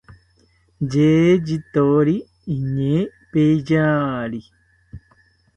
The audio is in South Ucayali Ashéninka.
Yeyithori iñee peyari